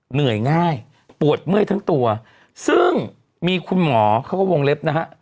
เหนื่อยง่ายปวดเมื่อยทั้งตัวซึ่งมีคุณหมอเขาก็วงเล็บนะฮะ